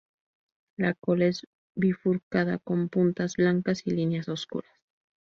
La cola es bifurcada con puntas blancas y líneas oscuras.